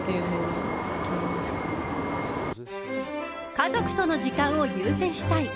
家族との時間を優先したい。